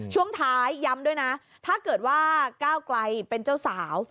ช่วงท้ายย้ำด้วยนะถ้าเกิดว่าก้าวไกลเป็นเจ้าสาว